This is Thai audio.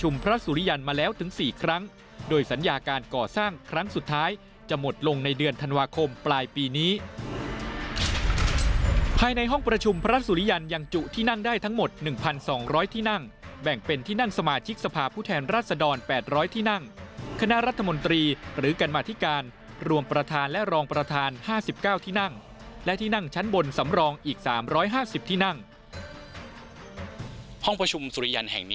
มาแล้วถึงสี่ครั้งโดยสัญญาการก่อสร้างครั้งสุดท้ายจะหมดลงในเดือนธันวาคมปลายปีนี้ภายในห้องประชุมพระสุริยันภายในห้องประชุมพระสุริยันภายในห้องประชุมพระสุริยันภายในห้องประชุมพระสุริยันภายในห้องประชุมพระสุริยันภายในห้องประชุมพระสุริยันภายในห้องประชุมพระสุริยันภายใน